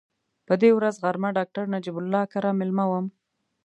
په دې ورځ غرمه ډاکټر نجیب الله کره مېلمه وم.